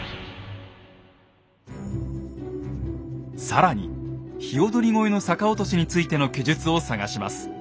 更に鵯越の逆落としについての記述を探します。